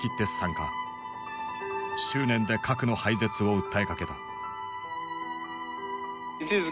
執念で核の廃絶を訴えかけた。